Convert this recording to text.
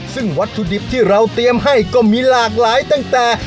ซึ่งวัตถุดิบที่เราเตรียมให้ก็มีหลากหลายตั้งแต่